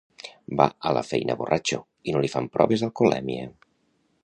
Va a la feina borratxo i no li fan proves d'alcolèmia